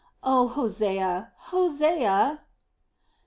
Oh, Hosea! Hosea!